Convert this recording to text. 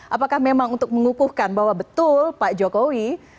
apakah memang untuk mengukuhkan bahwa betul pak jokowi